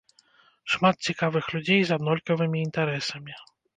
Шмат цікавых людзей з аднолькавымі інтарэсамі.